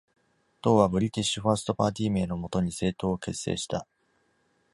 党は British First Party 名の下に政党を結成した。